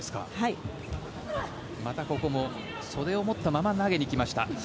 またここも袖を持ったまま投げにきました。